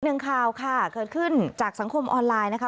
หนึ่งข่าวค่ะเกิดขึ้นจากสังคมออนไลน์นะคะ